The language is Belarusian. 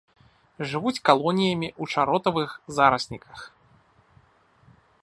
Жывуць калоніямі ў чаротавых зарасніках.